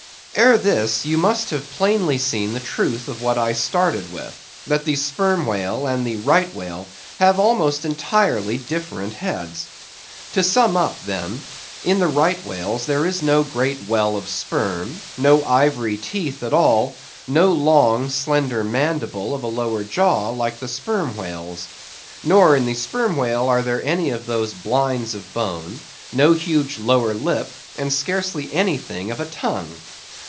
Ere this, you must have plainly seen the truth of what I started with—that the Sperm Whale and the Right Whale have almost entirely different heads. To sum up, then: in the Right Whale's there is no great well of sperm; no ivory teeth at all; no long, slender mandible of a lower jaw, like the Sperm Whale's. Nor in the Sperm Whale are there any of those blinds of bone; no huge lower lip; and scarcely anything of a tongue.